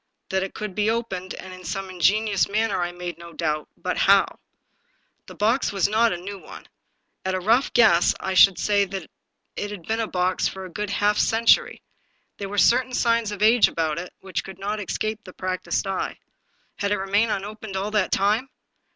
That it could be opened, and in some ingenious manner, I made no doubt — but how? The box was not a new one. At a rough g^ess I should say that it had been a box for a good half century; there were certain signs of age about it which could not escape a practiced eye. Had it remained unopened all that time